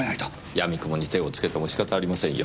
やみくもに手をつけても仕方ありませんよ。